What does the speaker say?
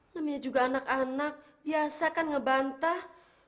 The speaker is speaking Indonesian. namanya juga anak anak biasa kan ngebantah